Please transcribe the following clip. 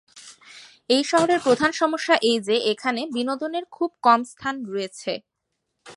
এই শহরের প্রধান সমস্যা এই যে এখানে বিনোদনের খুব কম স্থান রয়েছে।